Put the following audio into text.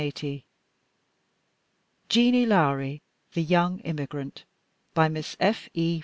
] JEANIE LOWRIE, THE YOUNG IMMIGRANT. BY MISS F. E.